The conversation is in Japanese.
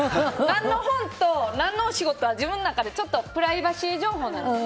何の本かと何のお仕事は自分の中でプライバシー情報なんです。